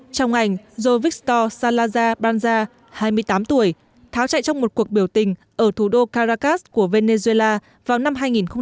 trong ảnh jovictor salazar banza hai mươi tám tuổi tháo chạy trong một cuộc biểu tình ở thủ đô caracas của venezuela vào năm hai nghìn một mươi bảy